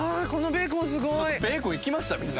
ベーコン行きました？